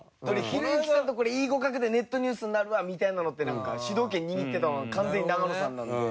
ひろゆきさんといい互角でネットニュースになるわみたいなのってなんか主導権握ってたのは完全に永野さんなんで。